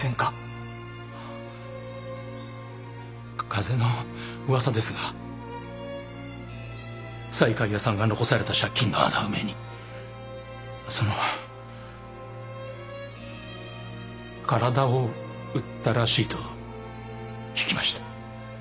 風の噂ですが西海屋さんが残された借金の穴埋めにその体を売ったらしいと聞きました。